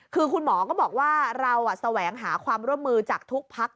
คือคุณหมอก็บอกว่าเราแสวงหาความร่วมมือจากทุกพัก